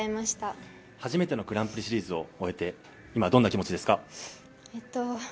初めてのグランプリシリーズを終えて今、どんな気持ちですか。